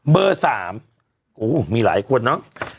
เบอร์สามโอ้มีหลายคนเนอะอืม